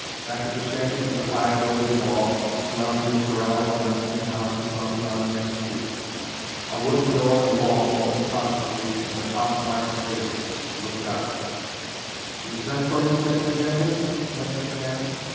Back of the shanty was a high adobe wall surrounding the corral of the Mexican houses fronting on the next street. A wooden door in the wall opened cautiously, and the pock marked face looked out. "You sent for me, Señor Jenkins?" the Mexican asked.